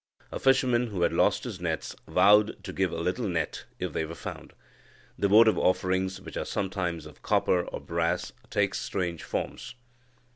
A fisherman, who had lost his nets, vowed to give a little net, if they were found. The votive offerings, which are sometimes of copper or brass, take strange forms.